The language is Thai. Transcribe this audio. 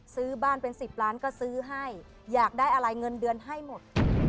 ซื้อบ้านเป็น๑๐ล้านก็ซื้อให้อยากได้อะไรเงินเดือนให้หมด